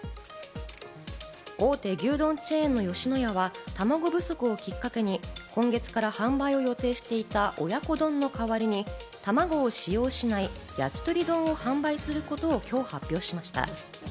大手牛丼チェーンの吉野家は、たまご不足をきっかけに今月から販売を予定していた親子丼の代わりにたまごを使用しない焼き鳥丼を販売することを今日発表しました。